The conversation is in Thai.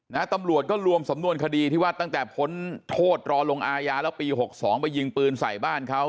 ตำรวจก็รวมสำนวนคดีที่ว่าตั้งแต่พ้นโทษรอลงอายาแล้วปีหกสองไปยิงปืนใส่บ้านเขา